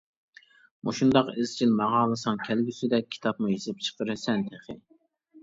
مۇشۇنداق ئىزچىل ماڭالىساڭ كەلگۈسىدە كىتابمۇ يېزىپ چىقىرىسەن تېخى.